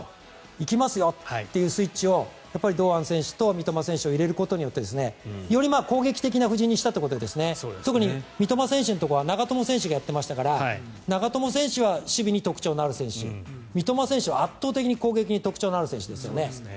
行きますよっていうスイッチを堂安選手冨安選手を入れることでより攻撃的な布陣にしたということで特に三笘選手のところは長友選手がやっていましたから長友選手は守備に特徴のある選手三笘選手は圧倒的に攻撃に特徴のある選手ですよね。